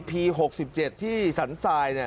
พีสันทราย